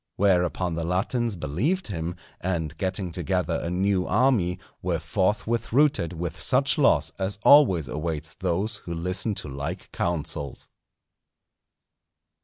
Whereupon the Latins believed him, and getting together a new army, were forthwith routed with such loss as always awaits those who listen to like counsels.